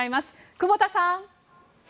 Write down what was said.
久保田さん。